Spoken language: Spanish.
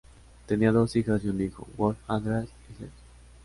Tenía dos hijas y un hijo, Wolf Andreas Hess.